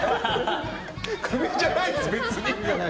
クビじゃないです、別に。